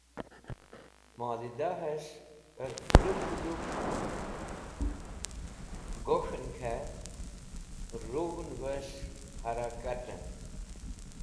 Molidaves̃h hẽr qẽrũtẽ yupk gok̃hẽn k̃hẽ rug̃hnẽves̃h hara katẽn.